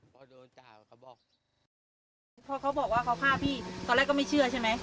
พอเขาบอกว่าเขาฆ่าพี่ตอนแรกเขาไม่เชื่อใช่ไหม